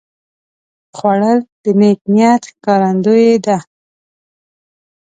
خوړل د نیک نیت ښکارندویي ده